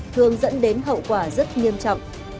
thường dẫn đến hậu quả rất nghiêm trọng